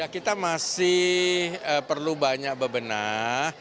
kita masih perlu banyak bebenah